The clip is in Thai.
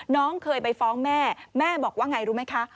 น้องเคยไปฟ้องแม่แม่บอกว่าไงรู้ไหมคะ